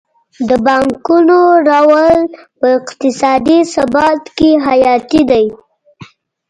د بانکونو رول په اقتصادي ثبات کې حیاتي دی.